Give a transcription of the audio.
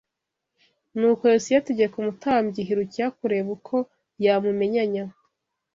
Nuko Yosiya ategeka umutambyi Hilukiya kureba uko yamumenyanya